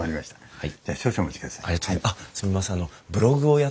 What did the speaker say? はい。